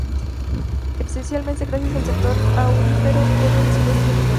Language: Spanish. Especialmente gracias al sector aurífero en el suroeste del pueblo.